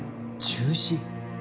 中止？